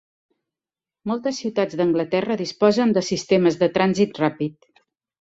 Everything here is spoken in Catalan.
Moltes ciutats d'Anglaterra disposen de sistemes de trànsit ràpid.